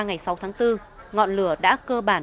ngày sáu tháng bốn ngọn lửa đã cơ bản